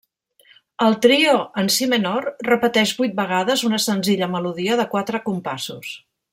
El trio, en si menor, repeteix vuit vegades una senzilla melodia de quatre compassos.